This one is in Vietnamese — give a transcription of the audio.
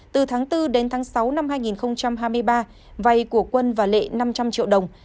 từ tháng bốn đến tháng sáu năm hai nghìn hai mươi ba vay của quân và lệ năm trăm linh triệu đồng